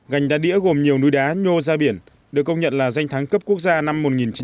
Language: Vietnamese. cành đá đĩa gồm nhiều núi đá nhô ra biển được công nhận là danh thắng cấp quốc gia năm một nghìn chín trăm chín mươi tám